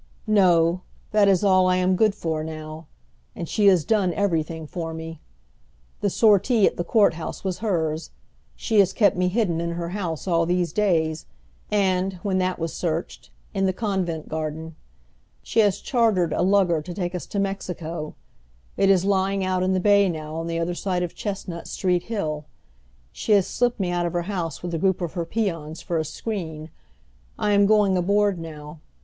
"No, that is all I am good for now. And she has done everything for me. The sortie at the court house was hers. She has kept me hidden in her house all these days; and, when that was searched, in the convent garden. She has chartered a lugger to take us to Mexico. It is lying out in the bay, now, on the other side of Chestnut Street Hill. She has slipped me out of her house with a group of her peons for a screen. I am going aboard now.